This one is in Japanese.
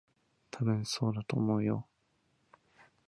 特定の国への経済依存は地政学リスクを内包する。